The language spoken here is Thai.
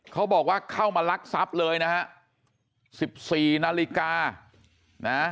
เขาบอกว่าเข้ามาลักทรัพย์เลยนะฮะสิบสี่นาฬิกานะ